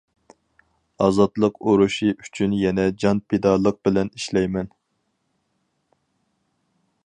ئازادلىق ئۇرۇشى ئۈچۈن يەنە جان پىدالىق بىلەن ئىشلەيمەن!